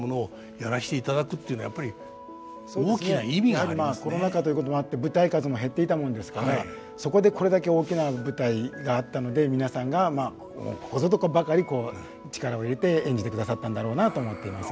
やはりコロナ禍ということもあって舞台数も減っていたもんですからそこでこれだけ大きな舞台があったので皆さんがここぞとばかりこう力を入れて演じてくださったんだろうなと思っています。